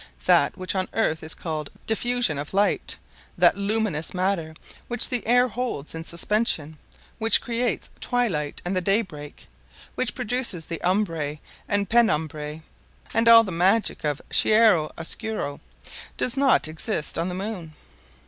That which on earth is called diffusion of light, that luminous matter which the air holds in suspension, which creates the twilight and the daybreak, which produces the umbrae and penumbrae, and all the magic of chiaro oscuro, does not exist on the moon.